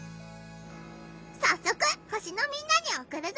さっそく星のみんなにおくるぞ！